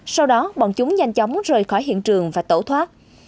sau đó bọn chúng nhanh chóng rời khỏi hiện trường và tẩu thoát